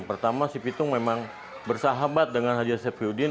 pertama si pitung memang bersahabat dengan haji safiuddin